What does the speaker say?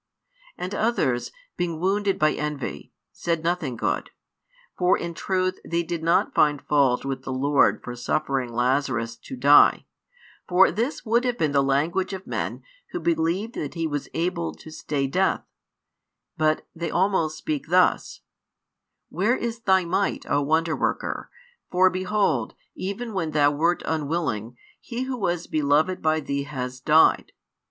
And others, being wounded by envy, said nothing good; for in truth they did not find fault with the Lord for suffering Lazarus to die; for this would have been the language of men who believed that He was able to stay death: but they almost speak thus: "Where is Thy might, O Wonder worker? For behold, even when Thou wert unwilling, He who was beloved by Thee has died.